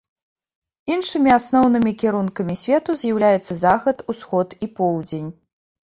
Іншымі асноўнымі кірункамі свету з'яўляюцца захад, усход і поўдзень.